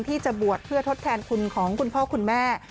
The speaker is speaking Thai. ที่จะบวชเพื่อทดแทนคุณของคุณพ่อคุณแม่